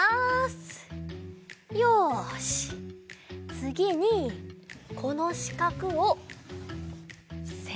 つぎにこのしかくをせんで。